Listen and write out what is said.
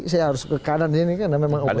saya harus ke kanan ini kan memang oposisi